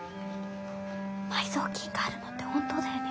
埋蔵金があるのって本当だよね？